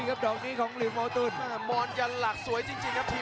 ยับอยากจะเล่นงานทางล่างครับ